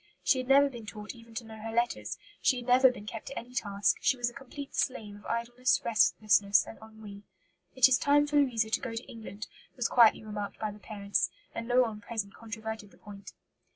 She had never been taught even to know her letters; she had never been kept to any task; she was a complete slave of idleness, restlessness, and ennui. 'It is time for Louisa to go to England,' was quietly remarked by the parents; and no one present controverted the point."